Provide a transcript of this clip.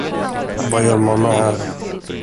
Vad gör mamma här?